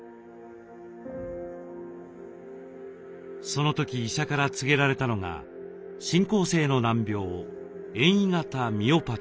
その時医者から告げられたのが進行性の難病遠位型ミオパチーでした。